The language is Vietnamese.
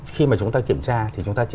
khi mà chúng ta kiểm tra thì chúng ta chỉ